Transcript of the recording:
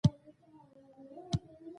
شکر ایستل نعمتونه ډیروي او برکت راوړي.